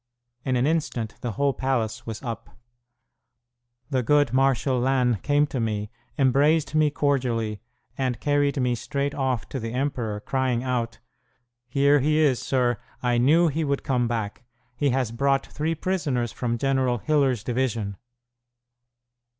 In an instant the whole palace was up. The good Marshal Lannes came to me, embraced me cordially, and carried me straight off to the emperor, crying out, "Here he is, sir; I knew he would come back. He has brought three prisoners from General Hiller's division."